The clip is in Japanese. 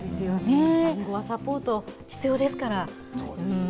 産後はサポート必要ですから。